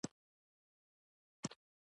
ایا د زړه ګراف مو اخیستی دی؟